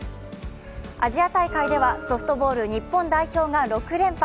アジア大会ではソフトボール日本代表が６連覇。